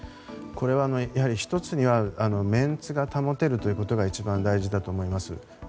これは１つには面子が保てるということが一番大事だと思います。